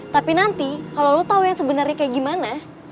tapi nanti kalo lu tau yang sebenernya kayak gimana